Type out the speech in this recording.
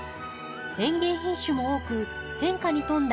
園芸品種も多く変化に富んだ